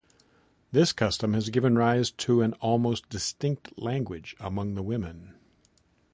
This custom has given rise to an almost distinct language among the women.